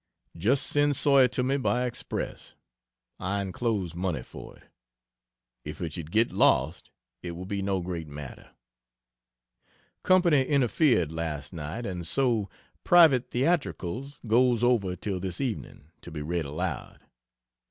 Just send Sawyer to me by express I enclose money for it. If it should get lost it will be no great matter. Company interfered last night, and so "Private Theatricals" goes over till this evening, to be read aloud. Mrs.